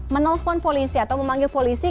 menelpon polisi atau memanggil polisi